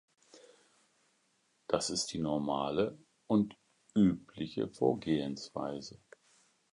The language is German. Das ist die normale und übliche Vorgehensweise.